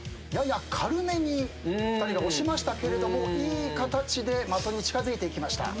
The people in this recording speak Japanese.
やや軽めに２人が押しましたけれどもいい形で的に近づいていきました。